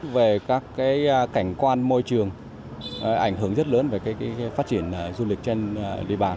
về các cảnh quan môi trường ảnh hưởng rất lớn về phát triển du lịch trên địa bàn